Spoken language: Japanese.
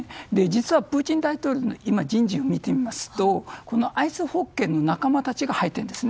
実はプーチン大統領の今の人事を見てみますとアイスホッケーの仲間たちが入ってるんです。